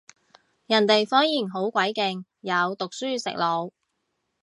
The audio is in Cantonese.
人哋科研好鬼勁，有讀書食腦